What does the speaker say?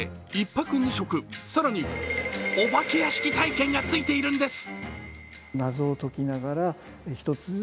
１泊２食、更にお化け屋敷体験がついているんです。